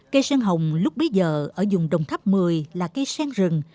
cây sen hồng lúc bây giờ ở vùng đồng tháp một mươi là cây sen rửa